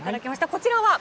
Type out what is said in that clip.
こちらは？